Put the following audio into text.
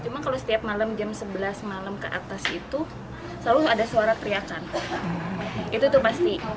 cuma kalau setiap malam jam sebelas malam ke atas itu selalu ada suara teriakan itu tuh pasti